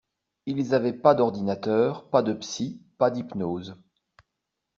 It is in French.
Ils avaient pas d’ordinateurs, pas de psy, pas d’hypnose.